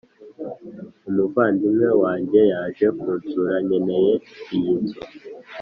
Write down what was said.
umuvandimwe wanjye yaje kunsura, nkeneye iyi nzu.»